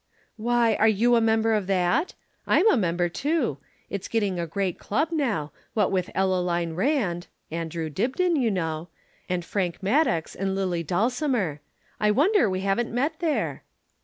"Why, are you a member of that? I'm a member, too. It's getting a great club now, what with Ellaline Rand (Andrew Dibdin, you know) and Frank Maddox and Lillie Dulcimer. I wonder we haven't met there."